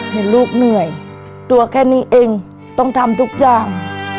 เห็นลูกเหนื่อยตัวแค่นี้เองต้องทำทุกอย่าง